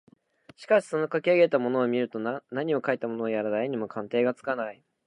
しかしそのかき上げたものを見ると何をかいたものやら誰にも鑑定がつかない